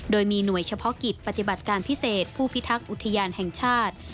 โดยมีหน่วยเฉพาะกิจปฏิบัติการพิเศษผู้พิทักษ์อุทยานแห่งชาติ